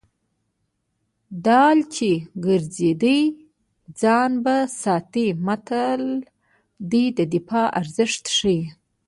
ډال چې ګرځوي ځان به ساتي متل د دفاع ارزښت ښيي